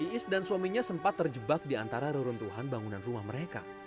iis dan suaminya sempat terjebak diantara leruntuhan bangunan rumah mereka